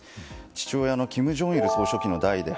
父親の金正日総書記の代で